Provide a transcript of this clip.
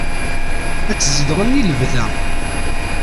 Ad tt-zedɣen i lebda.